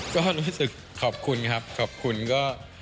ก็รู้สึกขอบคุณครับขอบคุณก็